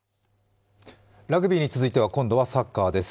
ラグビーに続いては今度はサッカーです。